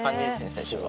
最初は。